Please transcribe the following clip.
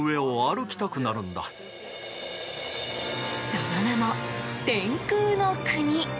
その名も、天空の国。